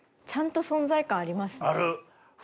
ちゃんと存在感ありますね。